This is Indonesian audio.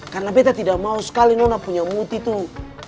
karena beta tidak mau sekali nona punya muti tuh